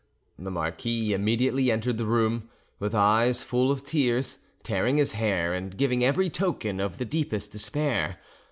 The marquis immediately entered the room, with his eyes full of tears, tearing his hair, and giving every token of the deepest despair.